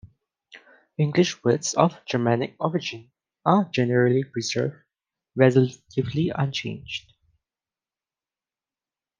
English words of Germanic origin are generally preserved relatively unchanged.